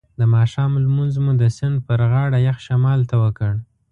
د ماښام لمونځ مو د سیند پر غاړه یخ شمال ته وکړ.